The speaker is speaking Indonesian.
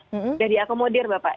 sudah diakomodir bapak